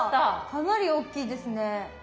かなり大きいですね。